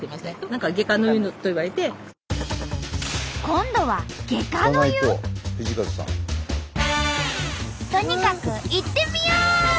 今度はとにかく行ってみよう！